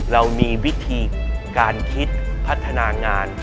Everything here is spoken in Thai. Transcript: เรามีวิธีการคิดพัฒนางาน